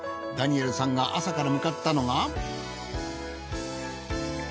ダニエルさんが朝から向かったのが。